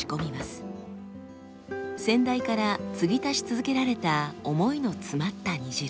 先代から継ぎ足し続けられた思いの詰まった煮汁。